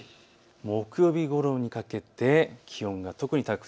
木曜日ごろにかけて気温が特に高い。